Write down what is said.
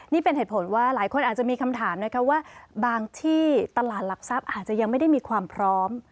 นี่เป็นเหตุผลว่าหลายคนอาจจะมีคำถามนะคะว่าบางที่ตลาดหลักทรัพย์อาจจะยังไม่ได้มีความพร้อม